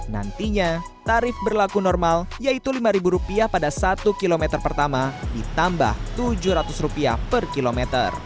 nantinya tarif berlaku normal yaitu rp lima pada satu km pertama ditambah rp tujuh ratus per kilometer